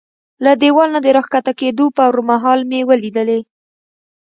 له دېوال نه د را کښته کېدو پر مهال مې ولیدلې.